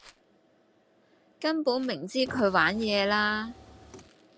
根本明知她玩野啦.....